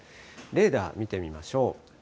レーダー見てみましょう。